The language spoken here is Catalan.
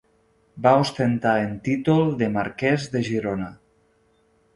Va ostentar en títol de Marquès de Girona.